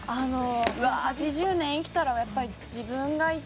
８０年生きたらやっぱり自分が一番。